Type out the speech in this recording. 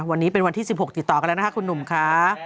วันนี้เป็นวันที่๑๖ติดต่อกันแล้วนะคะคุณหนุ่มค่ะ